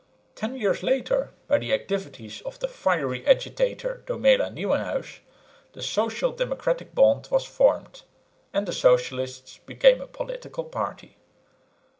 Ten years later, by the activities of the fiery agitator, Domela Nieuwenhuis, the Social Democratic Bond was formed; and the socialists became a political party.